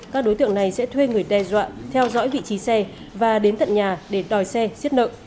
các đối tượng này sẽ thuê người đe dọa theo dõi vị trí xe và đến tận nhà để đòi xe xiết nợ